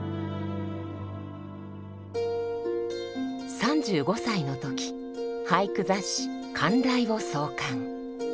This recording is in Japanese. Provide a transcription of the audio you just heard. ３５歳の時俳句雑誌「寒雷」を創刊。